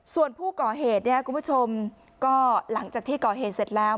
ส่วนผู้ก่อเหตุเนี่ยคุณผู้ชมก็หลังจากที่ก่อเหตุเสร็จแล้ว